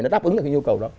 nó đáp ứng được cái nhu cầu đó